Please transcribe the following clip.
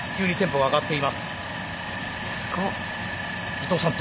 伊藤さん